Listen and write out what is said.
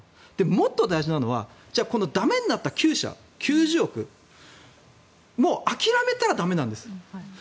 もっと大事なのは駄目になった９社、９０億もう諦めたら駄目なんです。